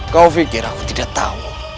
kau pikir aku tidak tahu